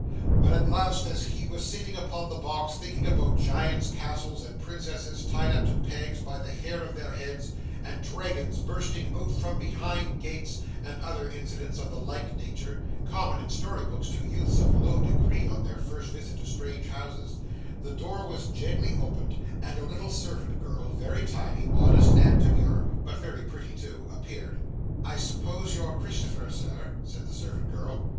But at last, as he was sitting upon the box thinking about giants' castles, and princesses tied up to pegs by the hair of their heads, and dragons bursting out from behind gates, and other incidents of the like nature, common in story books to youths of low degree on their first visit to strange houses, the door was gently opened, and a little servant girl, very tidy, modest, and demure, but very pretty too, appeared. 'I suppose you're Christopher, sir,' said the servant girl.